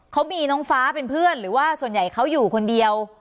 เขามีน้องฟ้าเป็นเพื่อนหรือว่าส่วนใหญ่เขาอยู่คนเดียว